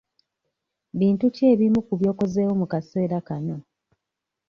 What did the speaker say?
Bintu ki ebimu ku by'okozeewo mu kaseera kano?